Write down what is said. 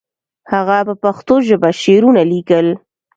هغه په پښتو ژبه شعرونه لیکل.